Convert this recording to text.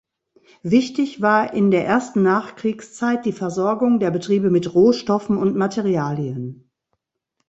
Wichtig war in der ersten Nachkriegszeit die Versorgung der Betriebe mit Rohstoffen und Materialien.